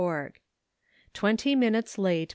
351) TWENTY MINUTES LATE.